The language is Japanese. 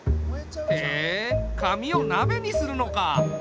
へえ紙をなべにするのか。